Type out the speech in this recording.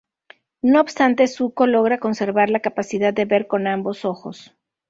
No obstante, Zuko logra conservar la capacidad de ver con ambos ojos.